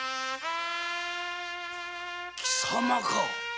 貴様か！